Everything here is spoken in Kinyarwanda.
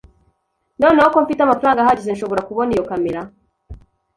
Noneho ko mfite amafaranga ahagije, nshobora kubona iyo kamera.